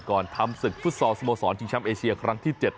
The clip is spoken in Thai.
ก่อนทำศึกฟุตสอสโมสรชิงช้ำเอเชียครั้งที่๗